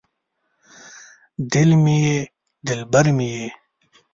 دل مې یې دلبر مې یې